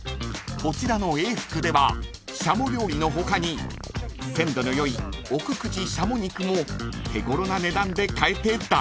［こちらの永福ではしゃも料理の他に鮮度の良い奥久慈しゃも肉も手頃な値段で買えて大人気］